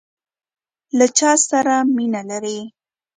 له چاسره مینه لرئ؟